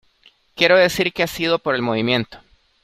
quiero decir que ha sido por el movimiento.